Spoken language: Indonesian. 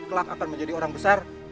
kelak akan menjadi orang besar